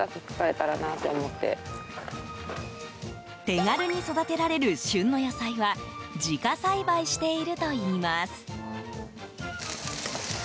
手軽に育てられる旬の野菜は自家栽培しているといいます。